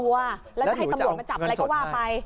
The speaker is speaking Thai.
แล้วจะให้ตำรวจมาจับอะไรก็ว่าไป